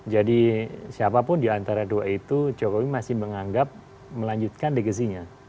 jadi siapapun diantara dua itu jokowi masih menganggap melanjutkan legasinya